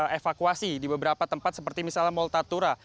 dan juga evakuasi di beberapa tempat seperti misalnya mall tatura